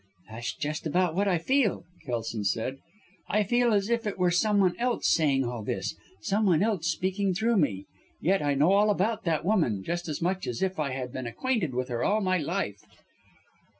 "That's just about what I feel!" Kelson said, "I feel as if it were some one else saying all this some one else speaking through me. Yet I know all about that woman, just as much as if I had been acquainted with her all my life!"